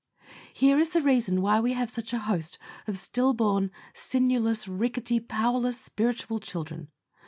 Here is the reason why we have such a host of stillborn, sinewless, ricketty, powerless spiritual children.